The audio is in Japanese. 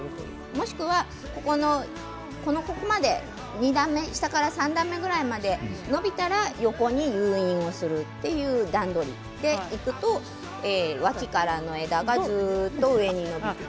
もしくは下から３段目くらいまで伸びたら横に誘引するという段取りでいくと脇からの枝がずっと上に伸びます。